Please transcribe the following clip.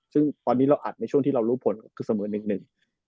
ซึ่งอันนี้เราอัดในช่วงที่เรารู้ผลคือเสมอนึก